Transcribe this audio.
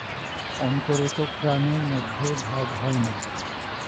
অন্তরে তো প্রাণের মধ্যে ভাগ হয় না।